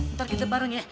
ntar kita bareng ya